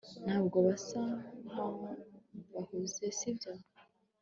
ntabwo basa nkaho bahuze, sibyo